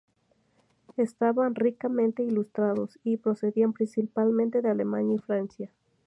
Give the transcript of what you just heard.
Estaban ricamente ilustrados y procedían principalmente de Alemania y Francia.